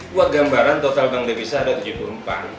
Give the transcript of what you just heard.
buat gambaran total bank devisa ada tujuh puluh empat